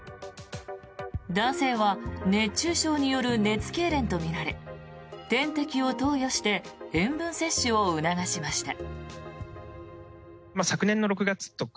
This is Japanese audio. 男性は熱中症による熱けいれんとみられ点滴を投与して塩分摂取を促しました。